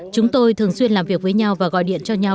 chúng tôi thường xuyên làm việc với nhau và gọi điện cho nhau